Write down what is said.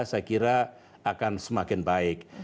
saya kira akan semakin baik